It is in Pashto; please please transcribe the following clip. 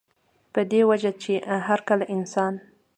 پۀ دې وجه چې هر کله انسان